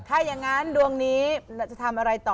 ถ้าอย่างนั้นดวงนี้จะทำอะไรต่อ